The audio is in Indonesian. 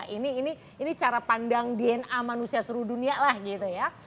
ini cara pandang dna manusia seluruh dunia lah gitu ya